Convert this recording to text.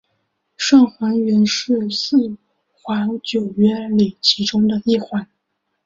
上环原是四环九约里其中一环。